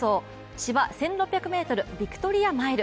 芝１６００ｍ、ヴィクトリアマイル。